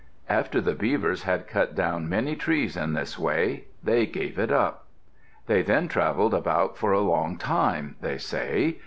After the Beavers had cut down many trees in this way, they gave it up. They then travelled about for a long time, they say.